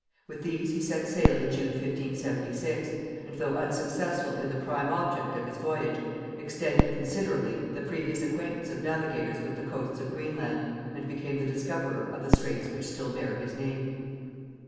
With these he set sail in June 1576, and though unsuccessful in the prime object of his voyage, extended considerably the previous acquaintance of navigators with the coasts of Greenland, and became the discoverer of the straits which still bear his name.